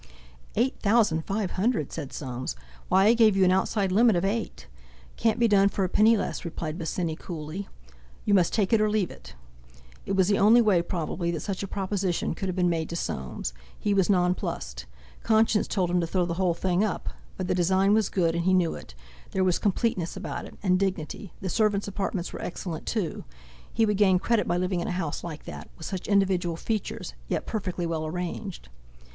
"Eight thousand five hundred?" said Soames. "Why, I gave you an outside limit of eight!" "Can't be done for a penny less," replied Bosinney coolly. "You must take it or leave it!" It was the only way, probably, that such a proposition could have been made to Soames. He was nonplussed. Conscience told him to throw the whole thing up. But the design was good, and he knew it—there was completeness about it, and dignity; the servants' apartments were excellent too. He would gain credit by living in a house like that—with such individual features, yet perfectly well arranged.